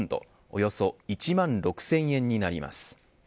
およそ１万６０００円になります。